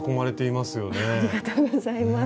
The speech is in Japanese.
ありがとうございます。